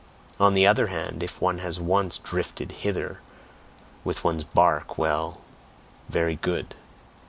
On the other hand, if one has once drifted hither with one's bark, well! very good!